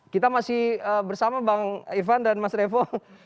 kita masih bersama bang ivan dan mas revo